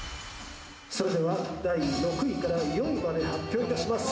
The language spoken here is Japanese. それでは第６位から４位まで発表いたします。